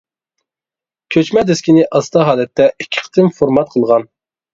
كۆچمە دىسكىنى ئاستا ھالەتتە ئىككى قېتىم فورمات قىلغان.